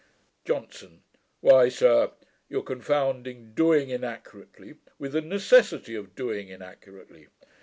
JOHNSON. 'Why, sir, you are confounding DOING inaccurately with the NECESSITY of doing inaccurately.